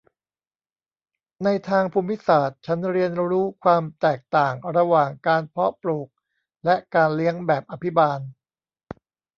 ในภูมิศาสตร์ฉันเรียนรู้ความแตกต่างระหว่างการเพาะปลูกและการเลี้ยงแบบอภิบาล